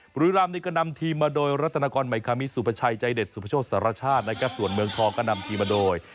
บุรีรำนี่ก็นำทีมมาโดยรัฐนากรใหม่คามิสุประชัยใจเด็ดสุพโชคสารชาตินะครับส่วนเมืองทองก็นำทีมมาโดย